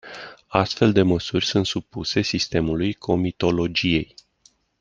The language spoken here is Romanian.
Astfel de măsuri sunt supuse sistemului comitologiei.